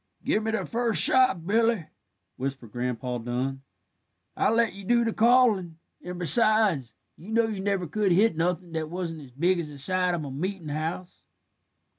"Gimme the first shot, Billy," whispered Grandpa Dun. "I let you do the callin'; and, besides, you know you never could hit nothin' that wasn't as big as the side of a meetin' house."